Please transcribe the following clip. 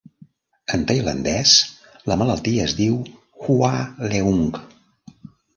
En tailandès, la malaltia es diu "Hua leung".